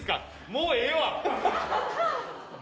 もうええわ！